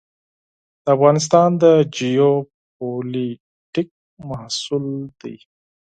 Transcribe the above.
د افغانستان د جیوپولیټیک محصول ده.